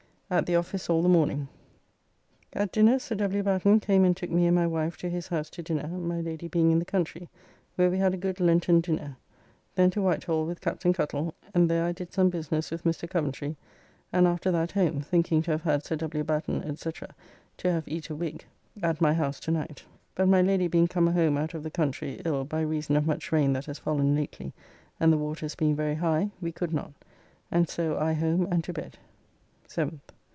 At the office all the morning. At dinner Sir W. Batten came and took me and my wife to his house to dinner, my Lady being in the country, where we had a good Lenten dinner. Then to Whitehall with Captn. Cuttle, and there I did some business with Mr. Coventry, and after that home, thinking to have had Sir W. Batten, &c., to have eat a wigg [Wigg, a kind of north country bun or tea cake, still so called, to my knowledge, in Staffordshire. M. B.] at my house at night. But my Lady being come home out of the country ill by reason of much rain that has fallen lately, and the waters being very high, we could not, and so I home and to bed.